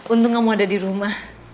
untung kamu ada di rumah